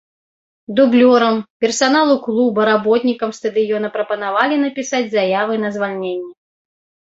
Дублёрам, персаналу клуба, работнікам стадыёна прапанавалі напісаць заявы на звальненне.